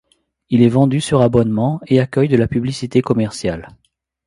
Il est vendu sur abonnement et accueille de la publicité commerciale.